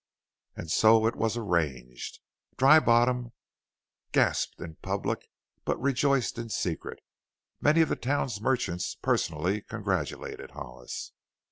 And so it was arranged. Dry Bottom gasped in public but rejoiced in secret. Many of the town's merchants personally congratulated Hollis.